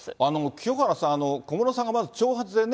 清原さん、小室さんがまず長髪でね、